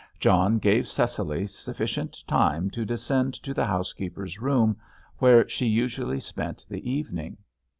John gave Cecily sufficient time to descend to the housekeeper's room, where she usually spent the evening.